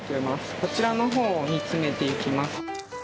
こちらの方を煮詰めていきます。